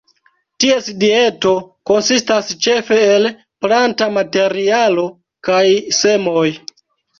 Ties dieto konsistas ĉefe el planta materialo kaj semoj.